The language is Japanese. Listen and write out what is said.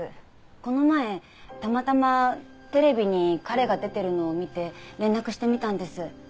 この前たまたまテレビに彼が出てるのを見て連絡してみたんです。